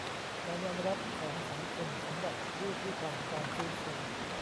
การยอมรับของสังคมสำหรับผู้ที่ผ่านการฟื้นฟู